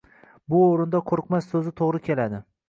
Bu oʻrinda qoʻrqmas soʻzi toʻgʻri keladi.